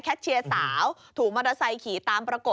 เชียร์สาวถูกมอเตอร์ไซค์ขี่ตามประกบ